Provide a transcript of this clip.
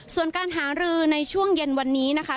ส่วนการหารือในช่วงเย็นวันนี้นะคะ